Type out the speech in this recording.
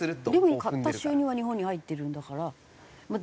でも買った収入は日本に入ってるんだから